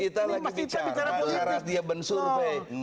ini masih bicara politik